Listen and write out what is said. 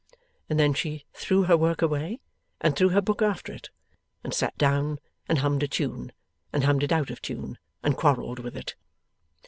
And then she threw her work away, and threw her book after it, and sat down and hummed a tune, and hummed it out of tune, and quarrelled with it.